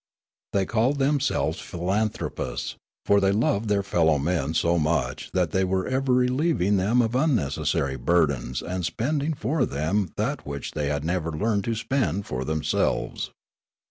They called themselves philanthropists ; for they loved their fellow men so much that they were ever relieving them of unneces sary burdens and spending for them that which they had nev^er learned to spend for themselves.